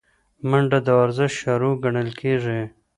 منډه د ورزش شروع ګڼل کېږي